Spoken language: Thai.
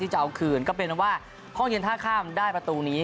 จะเอาคืนก็เป็นว่าห้องเย็นท่าข้ามได้ประตูนี้